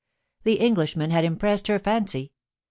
The Englishman had impressed her fancy.